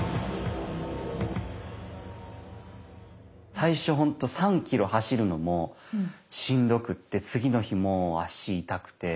最初本当３ｋｍ走るのもしんどくって次の日も足痛くて。